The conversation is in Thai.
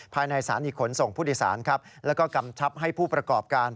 ภายในศาลีขนส่งผู้โดยสารและก็กำชับให้ผู้ประกอบการ